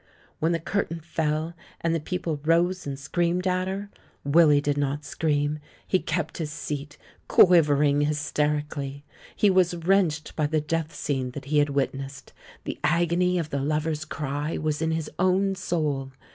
When the curtain fell and the people rose and screamed at her, Willy did not scream ; he kept his seat, quiv ering hysterically. He was wrenched by the death scene that he had witnessed; the agony of the lover's cry was in his own soul.